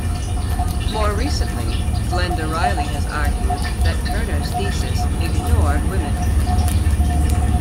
More recently Glenda Riley has argued that Turner's thesis ignored women.